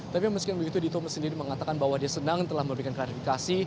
tapi meskipun begitu dito sendiri mengatakan bahwa dia senang telah memberikan klarifikasi